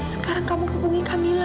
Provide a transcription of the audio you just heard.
sekarang kamu hubungi kamila